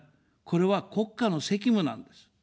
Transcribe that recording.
これは国家の責務なんです。